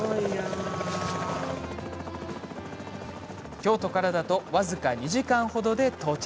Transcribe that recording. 京都からだと僅か２時間ほどで到着。